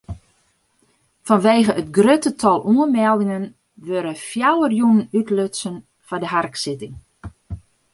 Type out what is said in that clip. Fanwegen it grutte tal oanmeldingen wurde fjouwer jûnen útlutsen foar de harksitting.